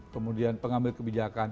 kemudian pengambil kebijakan